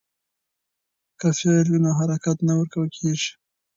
که فعل وي نو حرکت نه ورکېږي.